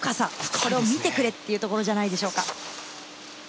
これを見てくれ！っていうところじゃないでしょうか。